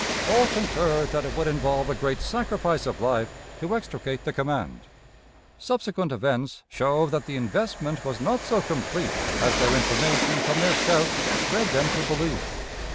All concurred that it would involve a great sacrifice of life to extricate the command. Subsequent events show that the investment was not so complete as their information from their scouts led them to believe.